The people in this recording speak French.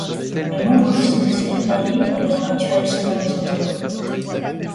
Le nombre de ses espèces varie, à l'heure actuelle, selon les auteurs.